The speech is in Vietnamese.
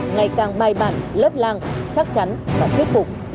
ngày càng bài bản lớp lang chắc chắn và thuyết phục